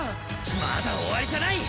まだ終わりじゃない！